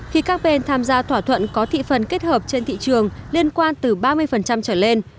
khi các bên tham gia thỏa thuận có thị phần kết hợp trên thị trường liên quan từ ba mươi trở lên